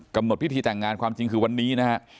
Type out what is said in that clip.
กำหนดพิธีแต่งงานความจริงคือวันนี้นะฮะ